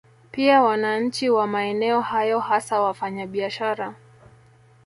Pia wananchi wa maeneo hayo hasa wafanya biashara